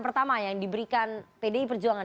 pertama yang diberikan pdi perjuangan